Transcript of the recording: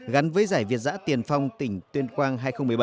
gắn với giải việt giã tiền phong tỉnh tuyên quang hai nghìn một mươi bảy